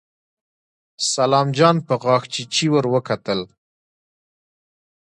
سلام جان په غاښچيچي ور وکتل.